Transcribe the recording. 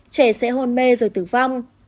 trẻ sẽ hôn mê rồi tử vong